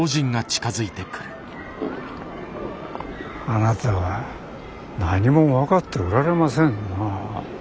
あなたは何も分かっておられませんな。